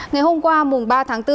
ngày hôm qua mùng ba tháng bốn